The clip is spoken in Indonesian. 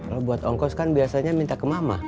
kalau buat ongkos kan biasanya minta ke mama